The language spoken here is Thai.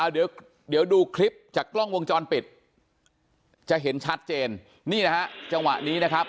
เดี๋ยวดูคลิปจากกล้องวงจรปิดจะเห็นชัดเจนนี่นะฮะจังหวะนี้นะครับ